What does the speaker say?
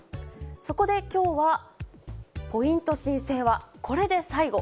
そこできょうは、ポイント申請はこれで最後。